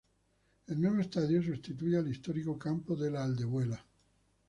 El nuevo estadio sustituye al histórico campo de La Aldehuela.